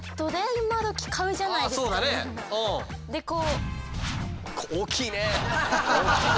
でこう。